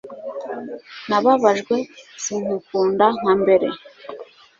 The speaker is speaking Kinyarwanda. Nababajwe sinkikunda nka mbere